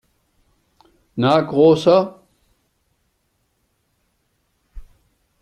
Na, Großer!